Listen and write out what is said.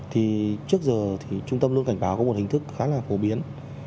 thì trước giờ thì trung tâm luôn cảnh báo có một hình thức khá là phổ biến